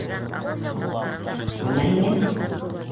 — Бына һиңә.